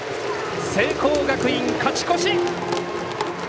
聖光学院、勝ち越し！